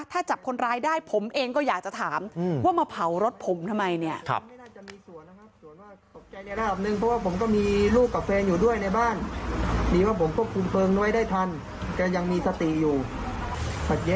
ถ้าจับคนร้ายได้ผมเองก็อยากจะถามว่ามาเผารถผมทำไมเนี่ย